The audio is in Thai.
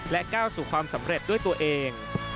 ก้าวสู่ความสำเร็จด้วยตัวเอง